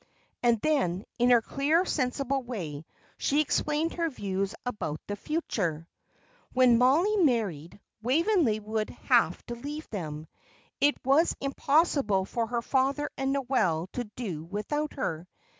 And then, in her clear, sensible way, she explained her views about the future. When Mollie married, Waveney would have to leave them. It was impossible for her father and Noel to do without her.